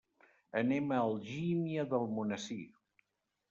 Anem a Algímia d'Almonesir.